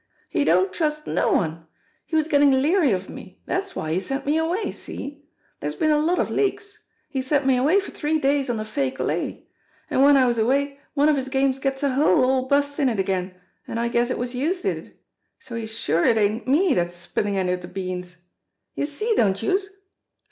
He don't trust no one. He was gettin' leery of me. Dat's why he sent me away. See? Dere's been a lot of leaks. He sent me away for three days on a fake lay. An' w'en I was away one of his games gets a hole all bust in it again, an' I guess it was youse did it. So he's sure it ain't me dat's spillin' any of de beans. Youse see, don't youse?